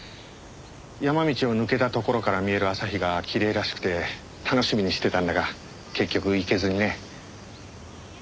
山道を抜けた所から見える朝日がきれいらしくて楽しみにしてたんだが結局行けずにね。